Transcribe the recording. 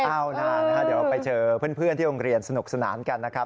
เดี๋ยวไปเจอเพื่อนที่โรงเรียนสนุกสนานกันนะครับ